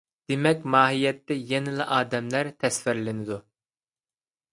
دېمەك، ماھىيەتتە يەنىلا ئادەملەر تەسۋىرلىنىدۇ.